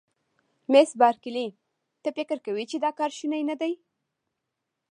مس بارکلي: ته فکر کوې چې دا کار شونی نه دی؟